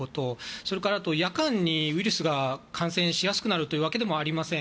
それから、夜間にウイルスが感染しやすくなるというわけではありません。